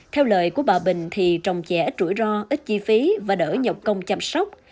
theo lời của bà bình thì trồng trè ít rủi ro ít chi phí và đỡ nhọc công chăm sóc